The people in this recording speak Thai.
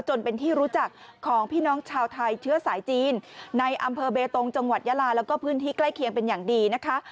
จนเป็นที่รู้จักของพี่น้องชาวไทยเชื้อสายจีนในอำเภอเบตงจังหวัดยาลาแล้วก็พื้นที่ใกล้เคียงเป็นอย่างดีนะคะ